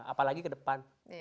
apalagi ke depan